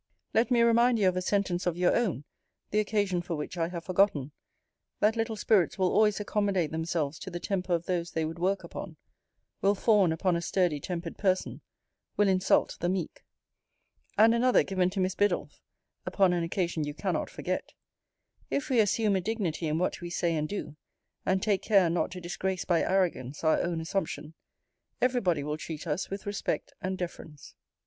Let me remind you of a sentence of your own, the occasion for which I have forgotten: 'That little spirits will always accommodate themselves to the temper of those they would work upon: will fawn upon a sturdy tempered person: will insult the meek:' And another given to Miss Biddulph, upon an occasion you cannot forget: 'If we assume a dignity in what we say and do, and take care not to disgrace by arrogance our own assumption, every body will treat us with respect and deference.'